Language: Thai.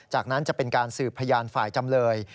จากนั้นจะเป็นการสืบพยานฝ่ายจำเลย